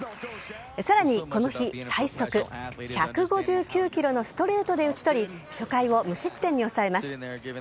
さらにこの日、最速１５９キロのストレートで打ち取り、初回を無失点に抑えます。